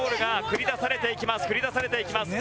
繰り出されていきます。